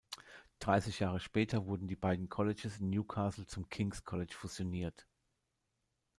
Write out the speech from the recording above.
Dreißig Jahre später wurden die beiden Colleges in Newcastle zum "King's College" fusioniert.